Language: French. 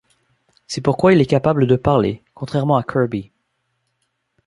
C'est pourquoi il est capable de parler, contrairement à Kirby.